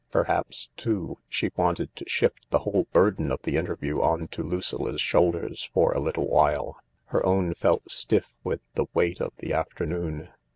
Perhaps, too, she wanted to shift the whole burden of the interview on to Lucilla's shoulders for a little while. Her own felt stiff with the weight of the afternoon.